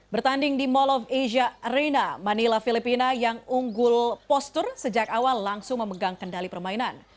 bertanding di mall of asia arena manila filipina yang unggul postur sejak awal langsung memegang kendali permainan